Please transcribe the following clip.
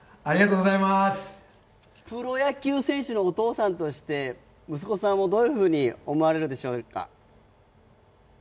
プロ野球選手のお父さんとして息子さんをどういうふうに思われるでしょうか？